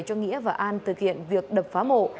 cho nghĩa và an thực hiện việc đập phá mổ